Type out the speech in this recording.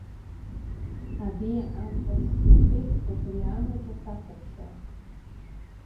Абиа амҵан снатәеит убри амақьа сахәаԥшуа.